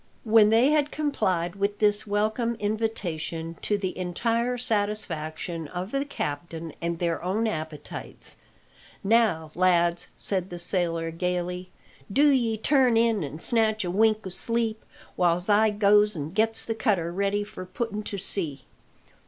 When they had complied with this welcome invitation to the entire satisfaction of the captain and their own appetites, "Now, lads," said the old sailor gaily, "do ye turn in an' snatch a wink o' sleep, whiles I goes an' gets the cutter ready for puttin' to sea.